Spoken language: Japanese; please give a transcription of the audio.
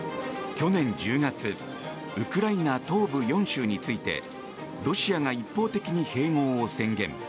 去年１０月ウクライナ東部４州についてロシアが一方的に併合を宣言。